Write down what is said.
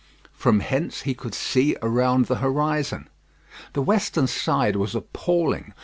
From hence he could see around the horizon. The western side was appalling.